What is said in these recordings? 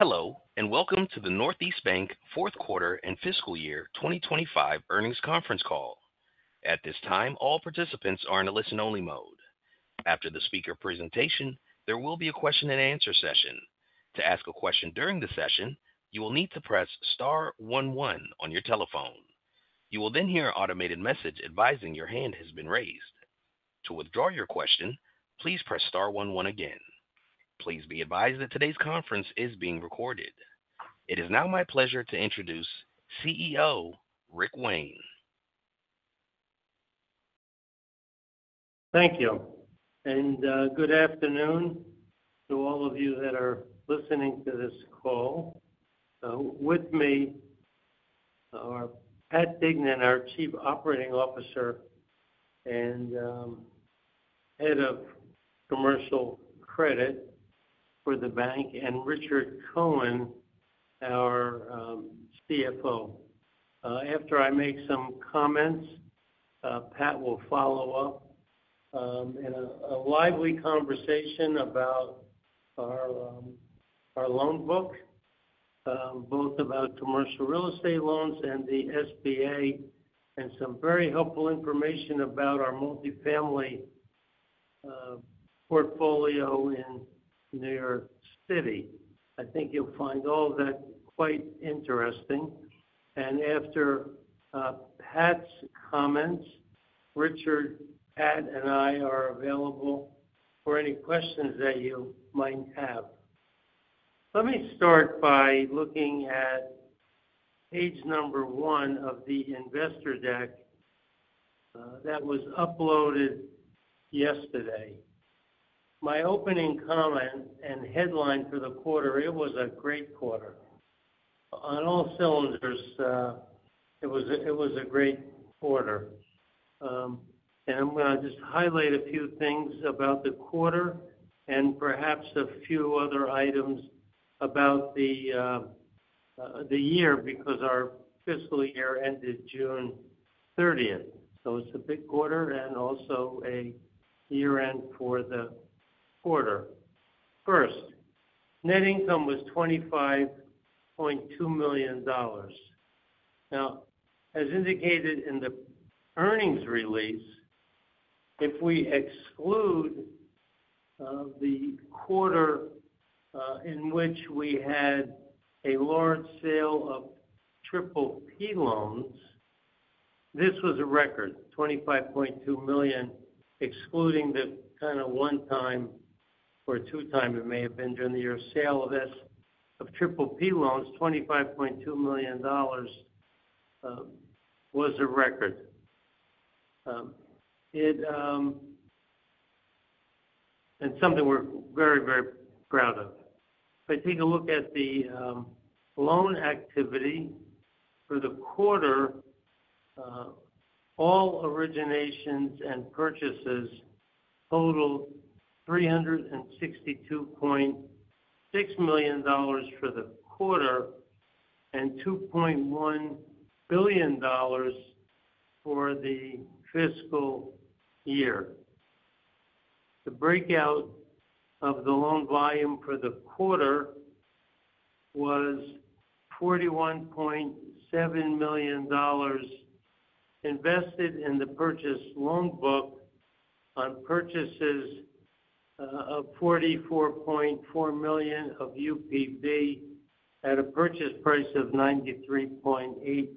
Hello, and welcome to the Northeast Bank Fourth Quarter and Fiscal Year 2025 Earnings Conference Call. At this time, all participants are in a listen-only mode. After the speaker presentation, there will be a question-and-answer session. To ask a question during the session, you will need to press star one one on your telephone. You will then hear an automated message advising your hand has been raised. To withdraw your question, please press star one one again. Please be advised that today's conference is being recorded. It is now my pleasure to introduce CEO Rick Wayne. Thank you. Good afternoon to all of you that are listening to this call. With me are Patrick Dignan, our Chief Operating Officer and Head of Commercial Credit for the bank, and Richard Cohen, our CFO. After I make some comments, Pat will follow up in a lively conversation about our loan book, both about commercial real estate loans and the SBA, and some very helpful information about our multifamily portfolio in New York City. I think you'll find all of that quite interesting. After Pat's comments, Richard, Pat, and I are available for any questions that you might have. Let me start by looking at page number one of the investor deck that was uploaded yesterday. My opening comment and headline for the quarter: it was a great quarter. On all cylinders, it was a great quarter. I'm going to just highlight a few things about the quarter and perhaps a few other items about the year because our fiscal year ended June 30, 2023. It's a big quarter and also a year-end for the quarter. First, net income was $25.2 million. As indicated in the earnings release, if we exclude the quarter in which we had a large sale of PPP loans, this was a record, $25.2 million, excluding the kind of one-time or two-time it may have been during the year, sale of PPP loans, $25.2 million was a record and something we're very, very proud of. If I take a look at the loan activity for the quarter, all originations and purchases totaled $362.6 million for the quarter and $2.1 billion for the fiscal year. The breakout of the loan volume for the quarter was $41.7 million invested in the purchase loan book on purchases of $44.4 million of UPB at a purchase price of 93.8%.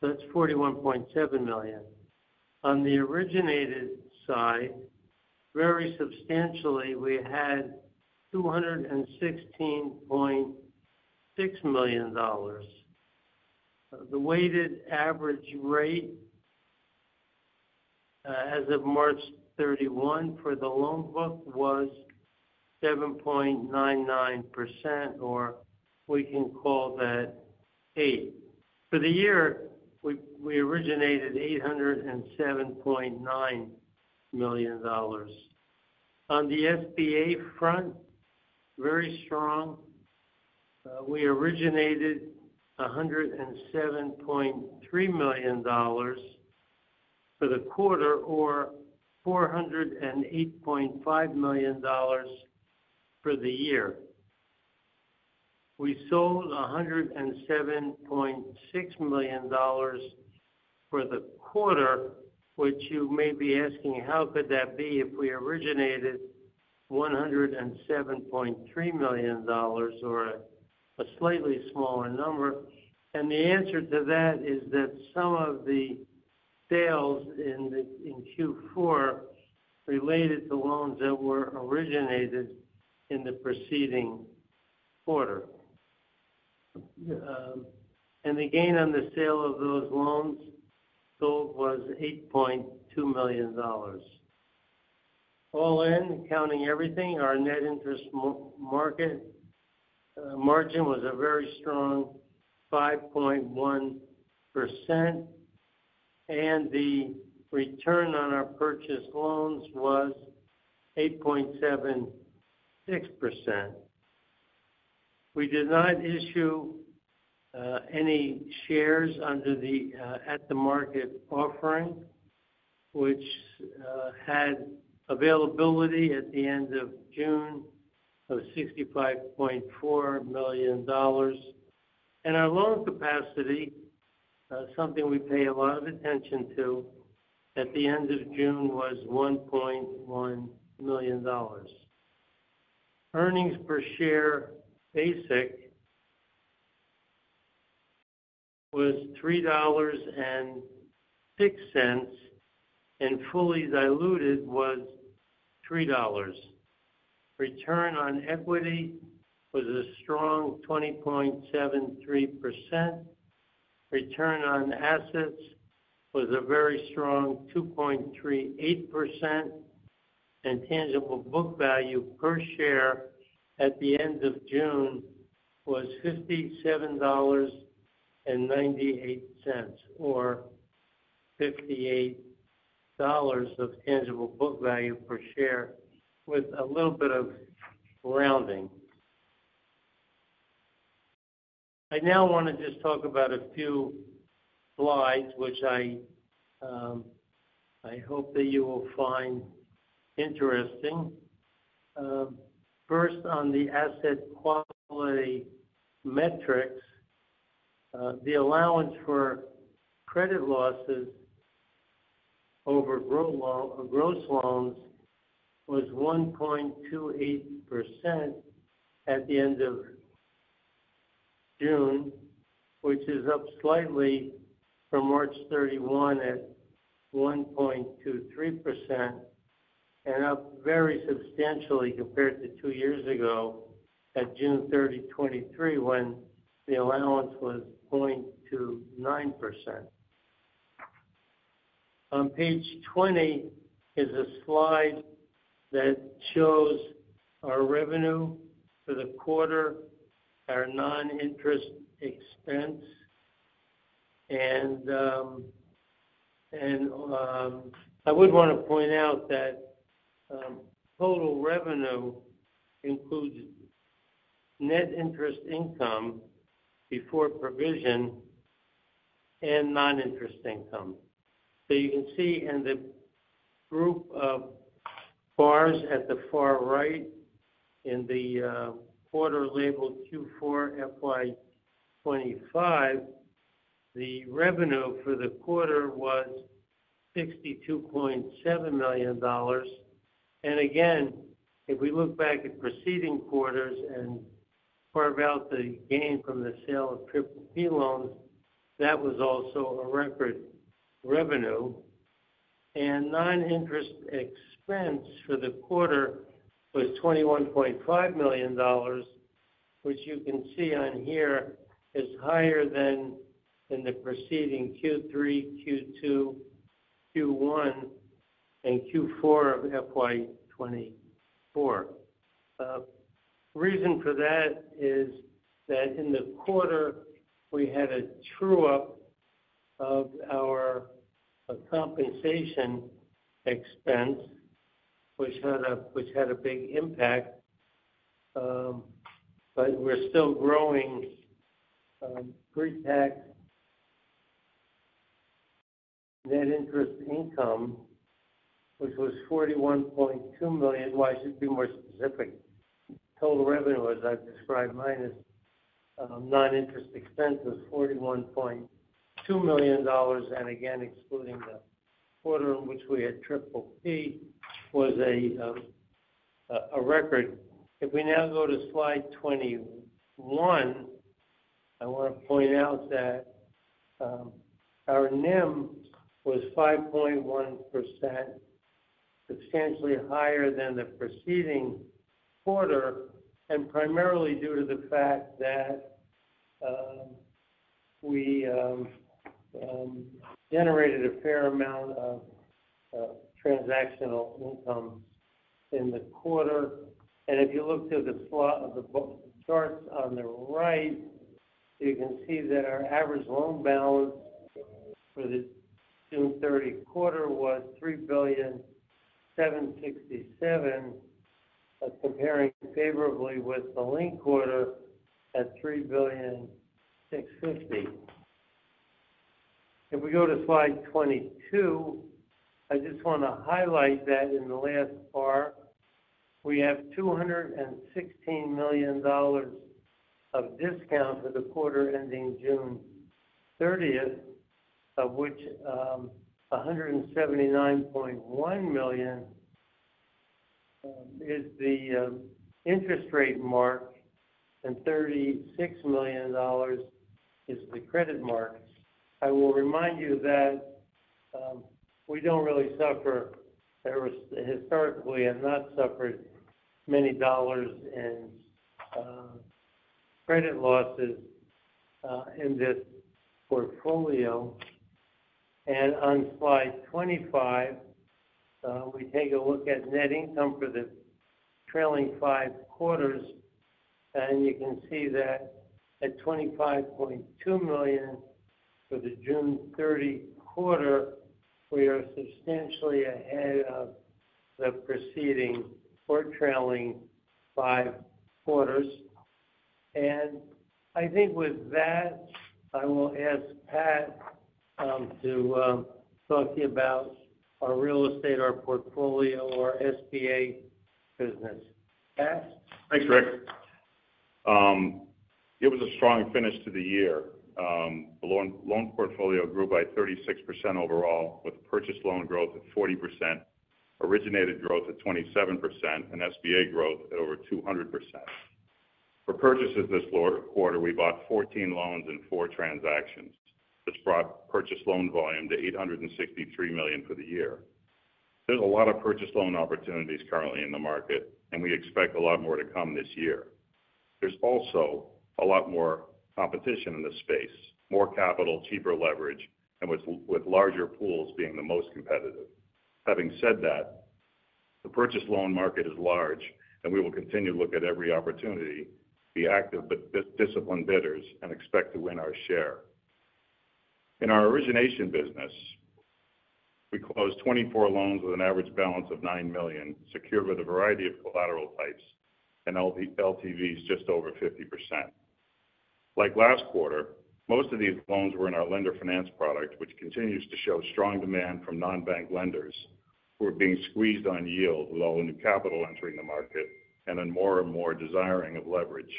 That's $41.7 million. On the originated side, very substantially, we had $216.6 million. The weighted average rate as of March 31 for the loan book was 7.99%, or we can call that 8%. For the year, we originated $807.9 million. On the SBA front, very strong, we originated $107.3 million for the quarter or $408.5 million for the year. We sold $107.6 million for the quarter, which you may be asking, how could that be if we originated $107.3 million or a slightly smaller number? The answer to that is that some of the sales in Q4 related to loans that were originated in the preceding quarter. The gain on the sale of those loans sold was $8.2 million. All in, counting everything, our net interest margin was a very strong 5.1%, and the return on our purchased loans was 8.76%. We did not issue any shares under the at-the-market offering, which had availability at the end of June of $65.4 million. Our loan capacity, something we pay a lot of attention to, at the end of June was $1.1 billion. Earnings per share basic was $3.06, and fully diluted was $3.00. Return on equity was a strong 20.73%. Return on assets was a very strong 2.38%. Tangible book value per share at the end of June was $57.98 or $58 of tangible book value per share with a little bit of rounding. I now want to just talk about a few slides, which I hope that you will find interesting. First, on the asset quality metrics, the allowance for credit losses over gross loans was 1.28% at the end of June, which is up slightly from March 31 at 1.23% and up very substantially compared to two years ago at June 30, 2023, when the allowance was 0.29%. On page 20 is a slide that shows our revenue for the quarter, our non-interest expense. I would want to point out that total revenue includes net interest income before provision and non-interest income. You can see in the group of bars at the far right in the quarter labeled Q4 FY 2025, the revenue for the quarter was $62.7 million. If we look back at preceding quarters and carve out the gain from the sale of PPP loans, that was also a record revenue. Non-interest expense for the quarter was $21.5 million, which you can see on here is higher than in the preceding Q3, Q2, Q1, and Q4 of FY 2024. The reason for that is that in the quarter, we had a true-up of our compensation expense, which had a big impact, but we're still growing pre-tax net interest income, which was $41.2 million. I should be more specific. Total revenue, as I've described, minus non-interest expense was $41.2 million. Again, excluding the quarter in which we had PPP, was a record. If we now go to slide 21, I want to point out that our NIM was 5.1%, substantially higher than the preceding quarter, and primarily due to the fact that we generated a fair amount of transactional income in the quarter. If you look to the chart on the right, you can see that our average loan balance for the June 30 quarter was $3.767 billion, comparing favorably with the link quarter at $3.650 billion. If we go to slide 22, I just want to highlight that in the last bar, we have $216 million of discount for the quarter ending June 30, of which $179.1 million is the interest rate mark, and $36 million is the credit mark. I will remind you that we don't really suffer, or historically, have not suffered many dollars in credit losses in this portfolio. On slide 25, we take a look at net income for the trailing five quarters, and you can see that at $25.2 million for the June 30 quarter, we are substantially ahead of the preceding or trailing five quarters. I think with that, I will ask Pat to talk to you about our real estate, our portfolio, or SBA business. Pat? Thanks, Rick. It was a strong finish to the year. The loan portfolio grew by 36% overall, with purchase loan growth at 40%, originated growth at 27%, and SBA growth at over 200%. For purchases this quarter, we bought 14 loans in four transactions. This brought purchase loan volume to $863 million for the year. There's a lot of purchase loan opportunities currently in the market, and we expect a lot more to come this year. There's also a lot more competition in this space, more capital, cheaper leverage, with larger pools being the most competitive. Having said that, the purchase loan market is large, and we will continue to look at every opportunity, be active but disciplined bidders, and expect to win our share. In our origination business, we closed 24 loans with an average balance of $9 million, secured with a variety of collateral types, and LTV is just over 50%. Like last quarter, most of these loans were in our lender finance product, which continues to show strong demand from non-bank lenders who are being squeezed on yield, loan, and capital entering the market, and are more and more desiring of leverage.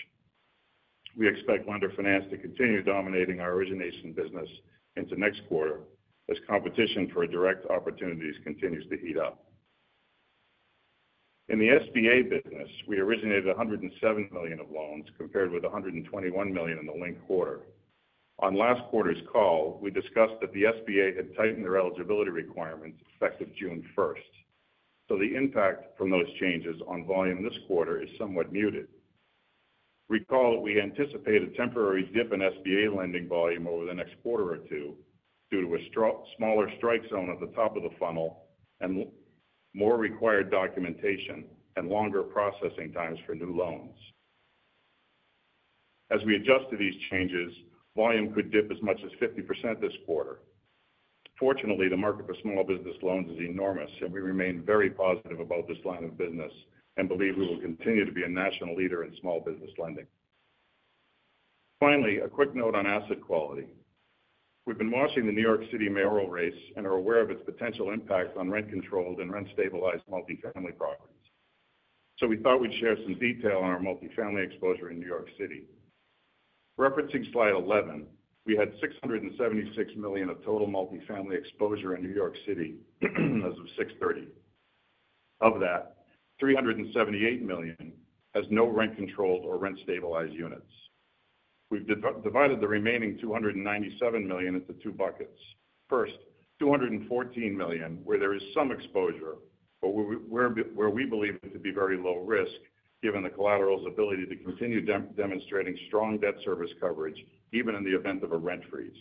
We expect lender finance to continue dominating our origination business into next quarter as competition for direct opportunities continues to heat up. In the SBA business, we originated $107 million of loans compared with $121 million in the link quarter. On last quarter's call, we discussed that the SBA had tightened their eligibility requirements effective June 1st. The impact from those changes on volume this quarter is somewhat muted. Recall, we anticipated a temporary dip in SBA lending volume over the next quarter or two due to a smaller strike zone at the top of the funnel and more required documentation and longer processing times for new loans. As we adjust to these changes, volume could dip as much as 50% this quarter. Fortunately, the market for small business loans is enormous, and we remain very positive about this line of business and believe we will continue to be a national leader in small business lending. Finally, a quick note on asset quality. We've been watching the New York City mayoral race and are aware of its potential impact on rent-controlled and rent-stabilized multifamily properties. We thought we'd share some detail on our multifamily exposure in New York City. Referencing slide 11, we had $676 million of total multifamily exposure in New York City as of 6/30. Of that, $378 million has no rent-controlled or rent-stabilized units. We've divided the remaining $297 million into two buckets. First, $214 million, where there is some exposure, but where we believe it could be very low risk given the collateral's ability to continue demonstrating strong debt service coverage even in the event of a rent freeze.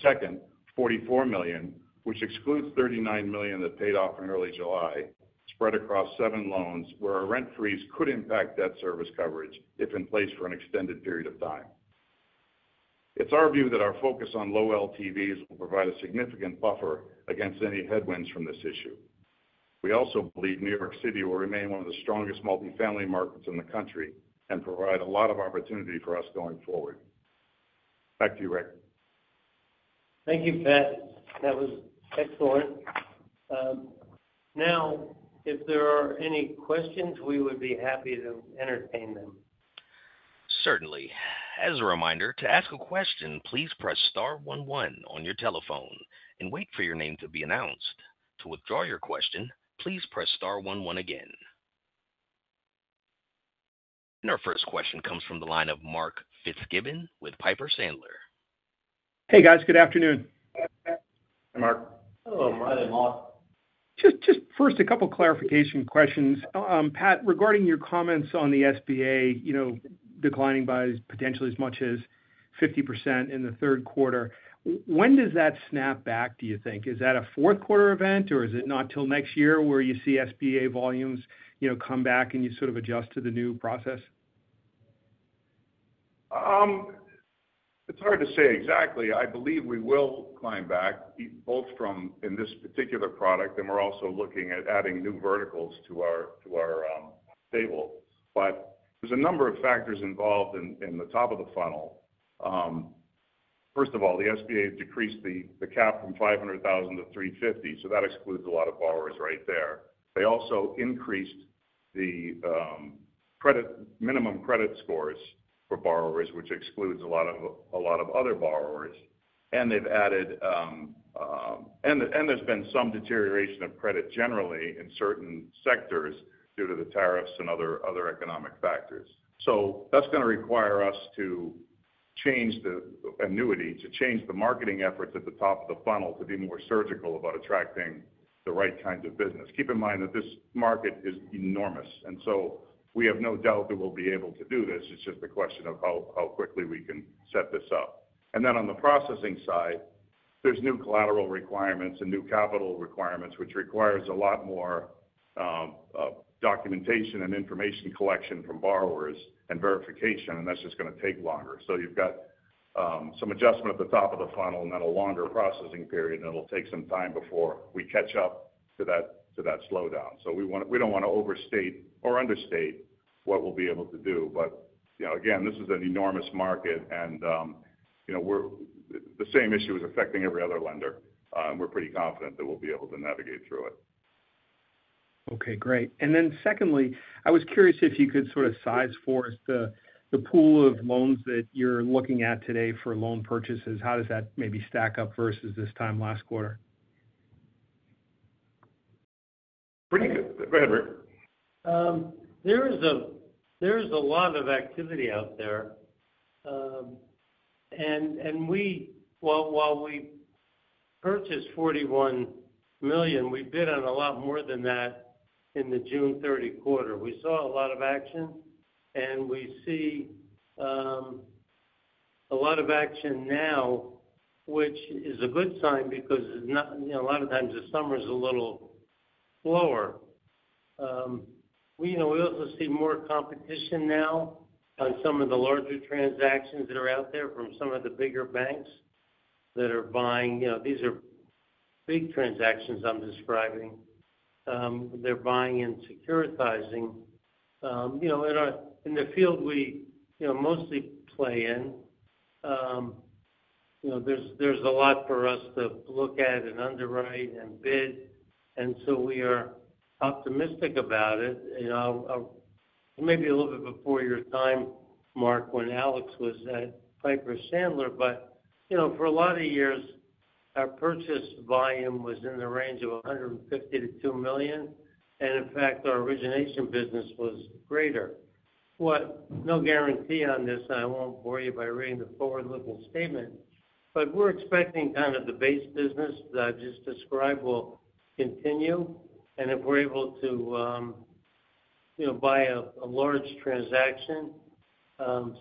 Second, $44 million, which excludes $39 million that paid off in early July, spread across seven loans where a rent freeze could impact debt service coverage if in place for an extended period of time. It's our view that our focus on low LTVs will provide a significant buffer against any headwinds from this issue. We also believe New York City will remain one of the strongest multifamily markets in the country and provide a lot of opportunity for us going forward. Back to you, Rick. Thank you, Pat. That was excellent. If there are any questions, we would be happy to entertain them. Certainly. As a reminder, to ask a question, please press start one one on your telephone and wait for your name to be announced. To withdraw your question, please press star one one again. Our first question comes from the line of Mark Fitzgibbon with Piper Sandler. Hey, guys. Good afternoon. Mark. Oh, hi Mark Just first, a couple of clarification questions. Pat, regarding your comments on the SBA, declining by potentially as much as 50% in the third quarter, when does that snap back, do you think? Is that a fourth quarter event, or is it not till next year where you see SBA volumes come back and you sort of adjust to the new process? It's hard to say exactly. I believe we will climb back, both from in this particular product, and we're also looking at adding new verticals to our table. There are a number of factors involved in the top of the funnel. First of all, the SBA decreased the cap from $500,000-$350,000, so that excludes a lot of borrowers right there. They also increased the minimum credit scores for borrowers, which excludes a lot of other borrowers. They've added, and there's been some deterioration of credit generally in certain sectors due to the tariffs and other economic factors. That is going to require us to change the annuity, to change the marketing efforts at the top of the funnel to be more surgical about attracting the right kinds of business. Keep in mind that this market is enormous, and we have no doubt that we'll be able to do this. It's just a question of how quickly we can set this up. On the processing side, there are new collateral requirements and new capital requirements, which require a lot more documentation and information collection from borrowers and verification, and that's just going to take longer. You have some adjustment at the top of the funnel and then a longer processing period, and it'll take some time before we catch up to that slowdown. We don't want to overstate or understate what we'll be able to do. This is an enormous market, and the same issue is affecting every other lender. We're pretty confident that we'll be able to navigate through it. Okay. Great. I was curious if you could sort of size for us the pool of loans that you're looking at today for loan purchases. How does that maybe stack up versus this time last quarter? Pretty good. Go ahead, Rick. There is a lot of activity out there. While we purchased $41 million, we bid on a lot more than that in the June 30 quarter. We saw a lot of action, and we see a lot of action now, which is a good sign because a lot of times the summer is a little slower. We also see more competition now on some of the larger transactions that are out there from some of the bigger banks that are buying. These are big transactions I'm describing. They're buying and securitizing. In the field we mostly play in, there's a lot for us to look at and underwrite and bid. We are optimistic about it. Maybe a little bit before your time, Mark, when Alex was at Piper Sandler. For a lot of years, our purchase volume was in the range of $150 million-$200 million. In fact, our origination business was greater. No guarantee on this, and I won't bore you by reading the forward-looking statement. We're expecting kind of the base business that I've just described will continue. If we're able to buy a large transaction,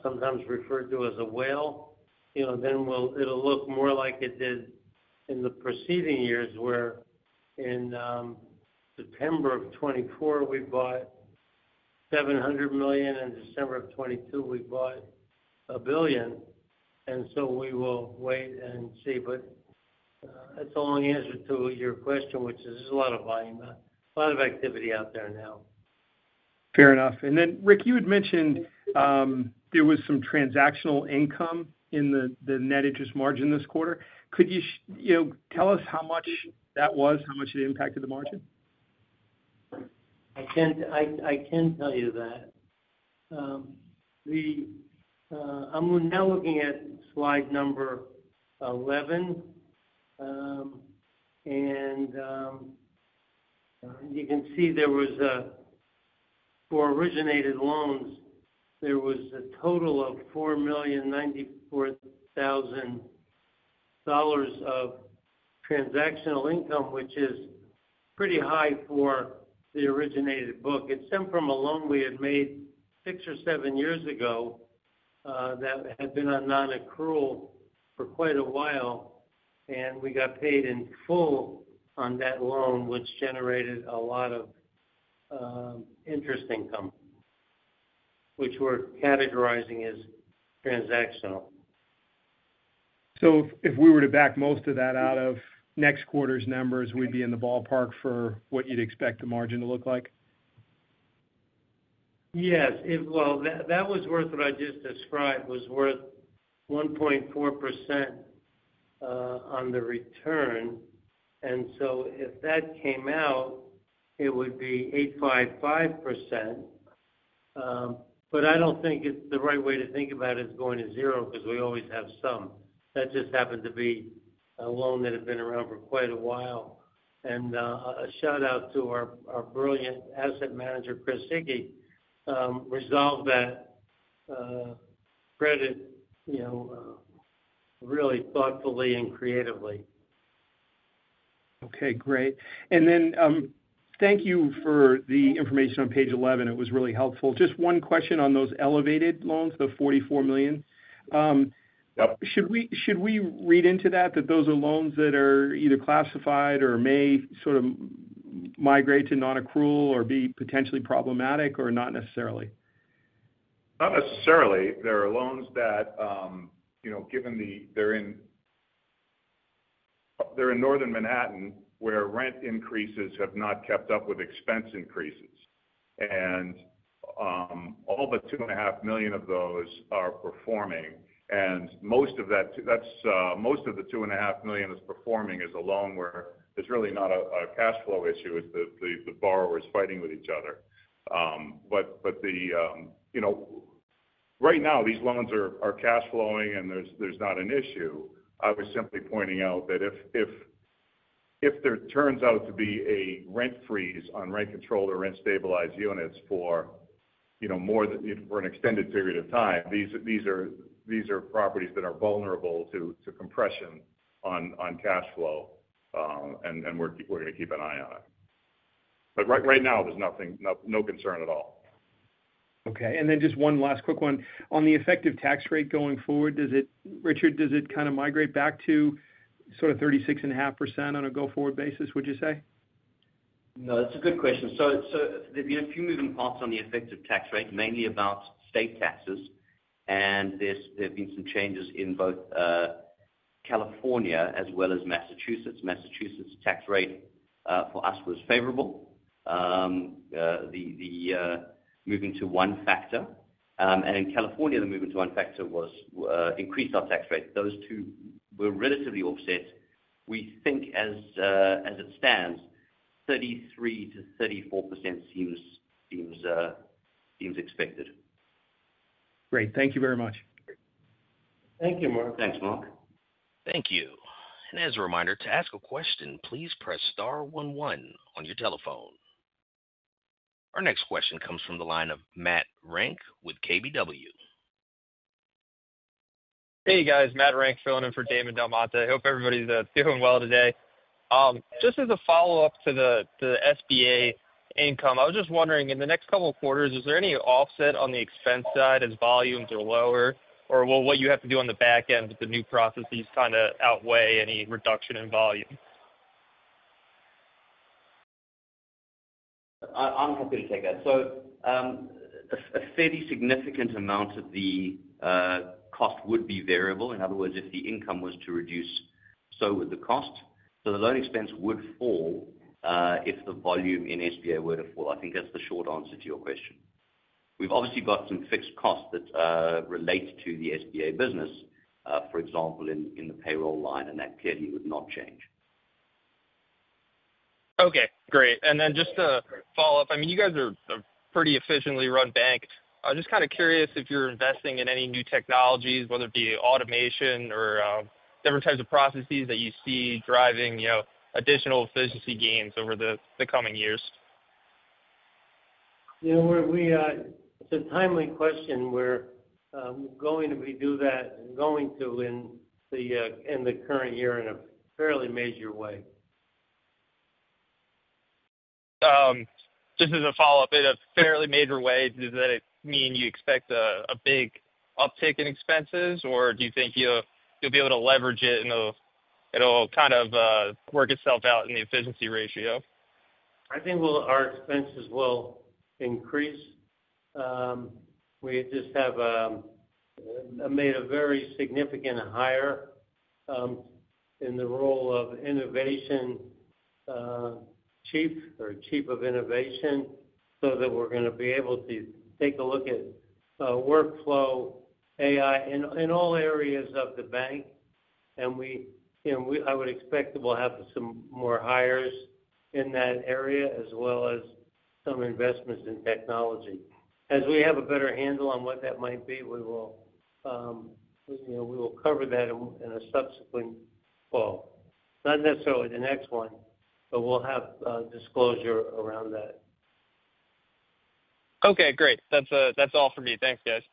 sometimes referred to as a whale, then it'll look more like it did in the preceding years where in September 2024, we bought $700 million. In December 2022, we bought $1 billion. We will wait and see. That's a long answer to your question, which is there's a lot of volume, a lot of activity out there now. Fair enough. Rick, you had mentioned there was some transactional income in the net interest margin this quarter. Could you tell us how much that was, how much it impacted the margin? I can tell you that. I'm now looking at slide number 11. You can see there was, for originated loans, a total of $4,094,000 of transactional income, which is pretty high for the originated book. It stemmed from a loan we had made six or seven years ago that had been on non-accrual for quite a while. We got paid in full on that loan, which generated a lot of interest income, which we're categorizing as transactional. If we were to back most of that out of next quarter's numbers, we'd be in the ballpark for what you'd expect the margin to look like? That was worth what I just described, was worth 1.4% on the return. If that came out, it would be 8.55%. I don't think it's the right way to think about it as going to zero because we always have some. That just happened to be a loan that had been around for quite a while. A shout-out to our brilliant Asset Manager, Chris Hickey, resolved that credit really thoughtfully and creatively. Okay. Great. Thank you for the information on page 11. It was really helpful. Just one question on those elevated loans, the $44 million. Should we read into that, that those are loans that are either classified or may sort of migrate to non-accrual or be potentially problematic or not necessarily? Not necessarily. There are loans that, you know, given they're in Northern Manhattan, where rent increases have not kept up with expense increases. All the $2.5 million of those are performing. Most of the $2.5 million that's performing is a loan where it's really not a cash flow issue. It's the borrowers fighting with each other. Right now, these loans are cash flowing, and there's not an issue. I was simply pointing out that if there turns out to be a rent freeze on rent-controlled or rent-stabilized units for more than an extended period of time, these are properties that are vulnerable to compression on cash flow. We're going to keep an eye on it. Right now, there's nothing, no concern at all. Okay. Just one last quick one. On the effective tax rate going forward, does it, Richard, does it kind of migrate back to sort of 36.5% on a go-forward basis, would you say? That's a good question. There have been a few moving parts on the effective tax rate, mainly about state taxes. There have been some changes in both California as well as Massachusetts. Massachusetts' tax rate for us was favorable, moving to one factor. In California, the movement to one factor increased our tax rate. Those two were relatively offset. We think, as it stands, 33% to 34% seems expected. Great. Thank you very much. Thank you, Mark. Thanks, Mark. Thank you. As a reminder, to ask a question, please press star one one on your telephone. Our next question comes from the line of Matt Renk with Keefe, Bruyette & Woods. Hey, guys. Matt Renk filling in for Damon DelMonte. I hope everybody's doing well today. Just as a follow-up to the SBA income, I was just wondering, in the next couple of quarters, is there any offset on the expense side as volumes are lower? Or will what you have to do on the back end with the new processes kind of outweigh any reduction in volume? I'm happy to take that. A fairly significant amount of the cost would be variable. In other words, if the income was to reduce, so would the cost. The loan expense would fall if the volume in SBA were to fall. I think that's the short answer to your question. We've obviously got some fixed costs that relate to the SBA business, for example, in the payroll line, and that clearly would not change. Okay. Great. Just to follow up, you guys are a pretty efficiently run bank. I'm just kind of curious if you're investing in any new technologies, whether it be automation or different types of processes that you see driving additional efficiency gains over the coming years. Yeah, it's a timely question. We're going to do that in the current year in a fairly major way. Just as a follow-up, in a fairly major way, does that mean you expect a big uptick in expenses, or do you think you'll be able to leverage it and it'll kind of work itself out in the efficiency ratio? I think our expenses will increase. We just have made a very significant hire in the role of Chief of Innovation so that we're going to be able to take a look at workflow AI in all areas of the bank. I would expect that we'll have some more hires in that area as well as some investments in technology. As we have a better handle on what that might be, we will cover that in a subsequent call. Not necessarily the next one, but we'll have disclosure around that. Okay. Great. That's all for me. Thanks, guys.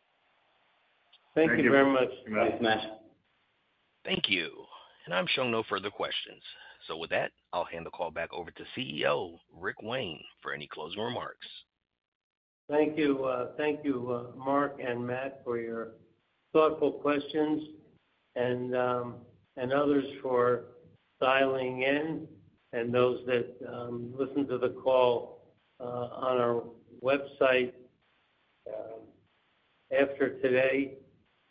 Thank you very much. Thanks, Matt. Thank you. I'm showing no further questions. With that, I'll hand the call back over to CEO Rick Wayne for any closing remarks. Thank you. Thank you, Mark and Matt, for your thoughtful questions and others for dialing in and those that listen to the call on our website after today.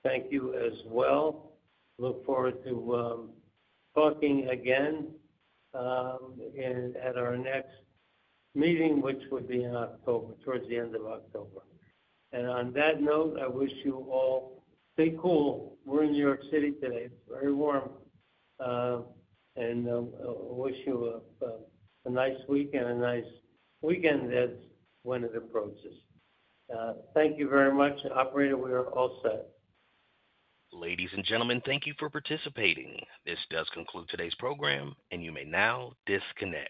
Thank you as well. Look forward to talking again at our next meeting, which would be in October, towards the end of October. I wish you all stay cool. We're in New York City today, very warm. I wish you a nice week and a nice weekend as winter approaches. Thank you very much, operator. We are all set. Ladies and gentlemen, thank you for participating. This does conclude today's program, and you may now disconnect.